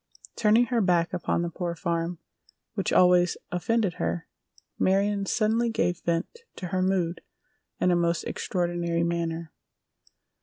Turning her back upon the Poor Farm, which always offended her, Marion suddenly gave vent to her mood in a most extraordinary manner.